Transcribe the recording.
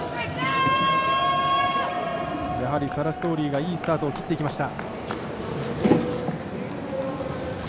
やはりサラ・ストーリーがいいスタートを切っていきました。